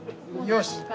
よし。